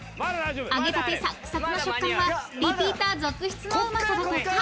［揚げたてサックサクの食感はリピーター続出のうまさだとか］